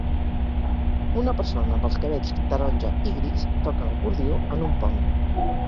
Una persona amb els cabells taronja i gris toca l'acordió en un pont.